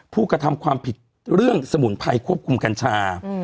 ผู้กระทำความผิดเรื่องสมุนไพรควบคุมกัญชา